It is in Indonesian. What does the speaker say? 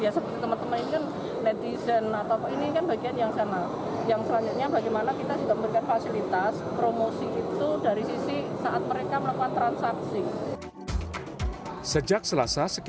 yang selanjutnya bagaimana kita juga memberikan fasilitas promosi itu dari sisi saat mereka melakukan transaksi